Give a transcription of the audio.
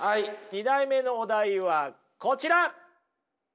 ２枚目のお題はこちら！